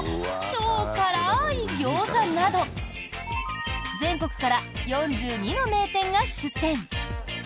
超辛いギョーザなど全国から４２の名店が出店。